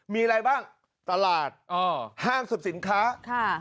มีอะไรบ้างตลาดห้างสินค้า